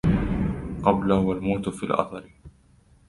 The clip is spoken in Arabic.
قبلَه والموتُ في الأَثَرِ